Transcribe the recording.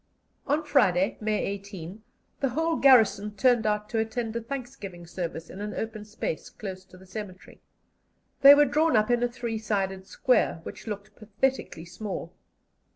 On Friday, May 18, the whole garrison turned out to attend a thanksgiving service in an open space close to the cemetery. They were drawn up in a three sided square, which looked pathetically small.